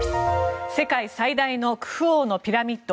世界最大のクフ王のピラミッド。